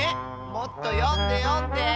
もっとよんでよんで。